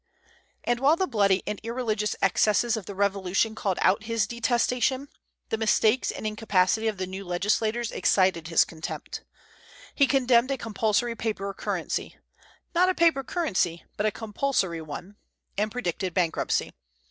And while the bloody and irreligious excesses of the Revolution called out his detestation, the mistakes and incapacity of the new legislators excited his contempt. He condemned a compulsory paper currency, not a paper currency, but a compulsory one, and predicted bankruptcy.